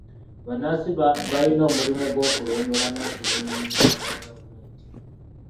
Bannansi bayina omulimu gw'okulondoola n'okulungamya enkola za gavumenti.